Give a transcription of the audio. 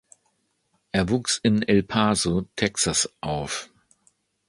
Er wuchs in El Paso, Texas, auf.